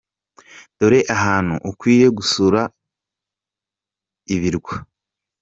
Dore ahantu ukwiye gusura mu Ibirwa.